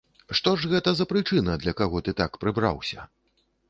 Што ж гэта за прычына, для каго ты так прыбраўся?